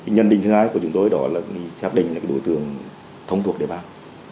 nhân định thứ hai của chúng tôi đó là chắc định đội thương thông thuộc để bán